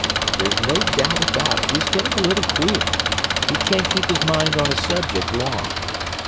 There's no doubt about it, he's getting a little queer: he can't keep his mind on a subject long.